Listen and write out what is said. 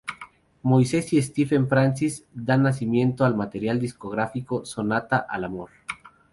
Moises y Stephen Francis, dan nacimiento al material discográfico "Sonata al Amor".